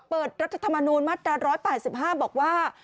รัฐธรรมนูญมาตรา๑๘๕บอกว่า